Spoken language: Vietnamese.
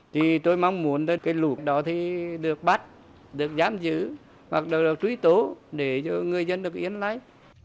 thì tôi mong muốn cái lũ đó thì được bắt được giám giữ hoặc được trú tố để cho người dân được yên lấy